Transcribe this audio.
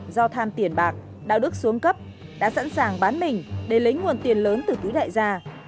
do tham tiền bạc đạo đức xuống cấp đã sẵn sàng bán mình để lấy nguồn tiền lớn từ túi đại gia